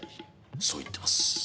そう言ってます。